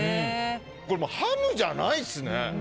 これ、ハムじゃないですね。